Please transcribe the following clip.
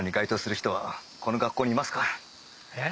えっ！？